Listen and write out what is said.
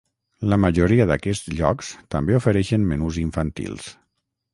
La majoria d'aquests llocs també ofereixen menús infantils.